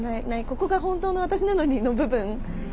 ここが本当の私なのにの部分。